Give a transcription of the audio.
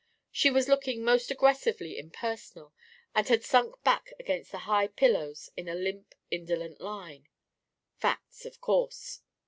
She was looking almost aggressively impersonal and had sunk back against the high pillows in a limp indolent line. Facts, of course!